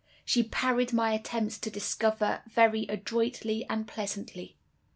She parried my attempts to discover very adroitly and pleasantly.